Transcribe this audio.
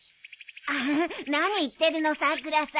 アハハ何言ってるのさくらさん。